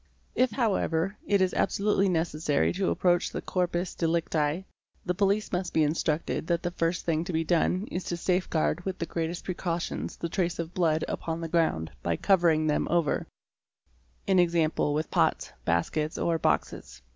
If, however, it is absolutely necessary to approach the corpus delicti, _ the police must be instructed that the first thing to be done is to safe / guard with the greatest precautions the traces of blood upon the ground by covering them over, ¢.g., with pots, baskets, or boxes.